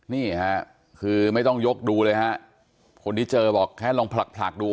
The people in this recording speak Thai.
นี่ค่ะคือไม่ต้องยกดูเลยฮะคนที่เจอบอกแค่ลองผลักผลักดู